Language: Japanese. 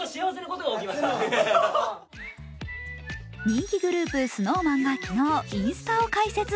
人気グループＳｎｏｗＭａｎが昨日、インスタを開設。